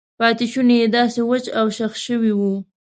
پاتې شونې یې داسې وچ او شخ شوي وو.